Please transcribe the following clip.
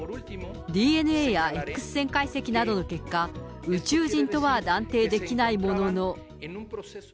ＤＮＡやＸ線解析の結果、宇宙人とは断定できないものの。